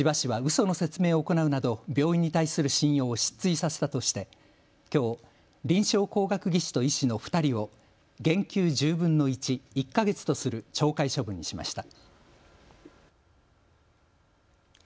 その説明を行うなど病院に対する信用を失墜させたとして、きょう臨床工学技士と医師の２人を減給１０分の１、１か月とする懲戒処分にしました。